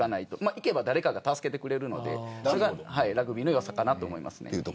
いけば誰かが助けてくれるのでそれがラグビーの良さかなと思いますね。